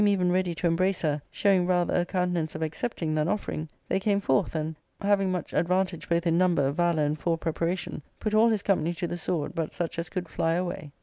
235 even ready to embrace her, showing rather a countenance of accepting than offering, they came forth, and,' having much advantage both in number, valour, and fore preparation, put all his company to the sword but such as could fly away.